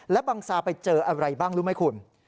และบังซาไปเจออะไรบ้างรู้ไหมคุณ